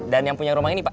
dan yang punya rumah ini pak